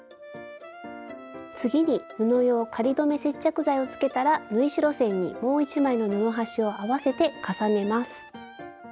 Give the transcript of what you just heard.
次に布用仮留め接着剤をつけたら縫い代線にもう一枚の布端を合わせて重ねます。